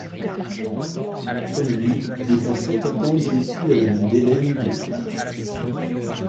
Comme lui, il est un prétendant déçu à la main d'Hélène de Sparte.